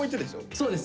そうです。